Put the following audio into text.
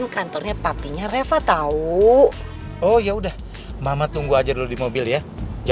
lo berdua langsung balik aja oleh ya